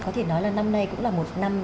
có thể nói là năm nay cũng là một năm